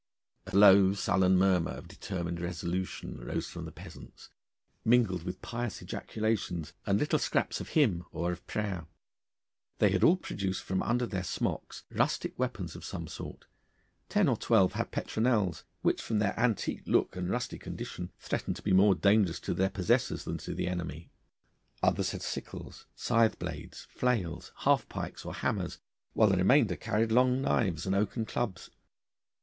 A low sullen murmur of determined resolution rose from the peasants, mingled with pious ejaculations and little scraps of hymn or of prayer. They had all produced from under their smocks rustic weapons of some sort. Ten or twelve had petronels, which, from their antique look and rusty condition, threatened to be more dangerous to their possessors than to the enemy. Others had sickles, scythe blades, flails, half pikes, or hammers, while the remainder carried long knives and oaken clubs.